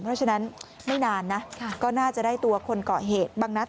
เพราะฉะนั้นไม่นานนะก็น่าจะได้ตัวคนเกาะเหตุบางนัด